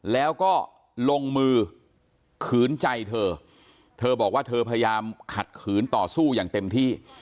แล้วก็ลงมือขืนใจเธอเธอบอกว่าเธอพยายามขัดขืนต่อสู้อย่างเต็มที่